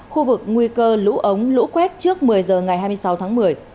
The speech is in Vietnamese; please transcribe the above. khu vực nguy cơ lũ ống lũ quét trước một mươi h ngày hai mươi sáu tháng một mươi